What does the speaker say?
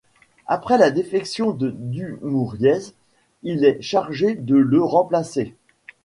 Après la défection de Dumouriez, il est chargé de le remplacer.